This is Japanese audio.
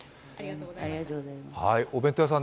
お弁当屋さん